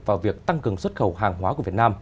vào việc tăng cường xuất khẩu hàng hóa của việt nam